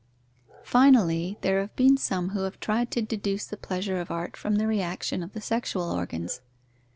_ Finally, there have been some who have tried to deduce the pleasure of art from the reaction of the sexual organs.